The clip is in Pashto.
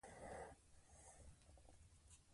په پوهنتونونو کې باید پښتو اثار زیات شي.